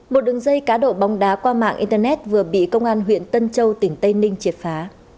một đường dây cá độ bóng đá qua mạng internet vừa bị công an huyện tân châu tỉnh tây ninh triệt phá